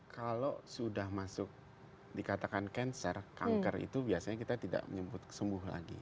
kalau sudah masuk dikatakan cancer kanker itu biasanya kita tidak menyebut sembuh lagi